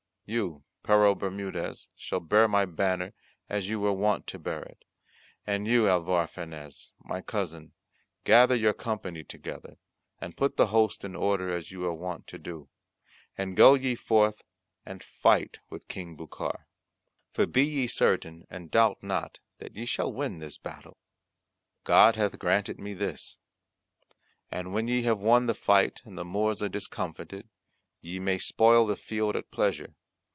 You, Pero Bermudez, shall bear my banner, as you were wont to bear it; and you, Alvar Fanez, my cousin, gather your company together, and put the host in order as you are wont to do. And go ye forth and fight with King Bucar: for be ye certain and doubt not that ye shall win this battle; God hath granted me this. And when ye have won the fight, and the Moors are discomfited, ye may spoil the field at pleasure.